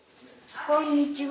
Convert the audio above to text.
こんにちは。